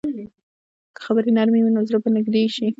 که خبرې نرمې وي، نو زړونه به نږدې شي.